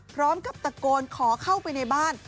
พร้อมกับตะโกนขอเข้าไปในบ้าน